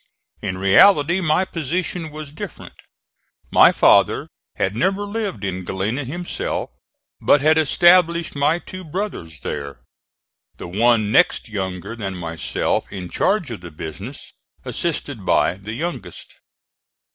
In reality my position was different. My father had never lived in Galena himself, but had established my two brothers there, the one next younger than myself in charge of the business, assisted by the youngest.